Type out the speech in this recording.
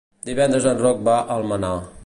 Divendres en Roc va a Almenar.